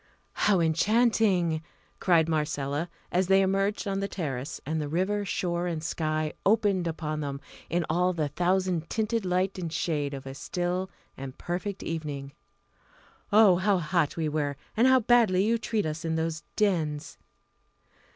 "How enchanting!" cried Marcella, as they emerged on the terrace, and river, shore, and sky opened upon them in all the thousand tinted light and shade of a still and perfect evening. "Oh, how hot we were and how badly you treat us in those dens!"